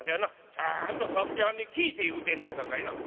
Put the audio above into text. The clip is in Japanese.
ちゃんと佐助はんに聞いて言うてんねやさかいな」。